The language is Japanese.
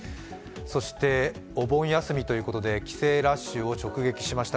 お盆休みということで帰省ラッシュを直撃しました